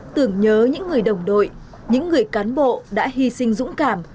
tưởng nhớ những người đồng đội những người cán bộ đã hy sinh dũng cảm